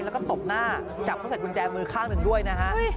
แล้วก็ตบหน้าจับเขาใส่กุญแจมือข้างหนึ่งด้วยนะฮะ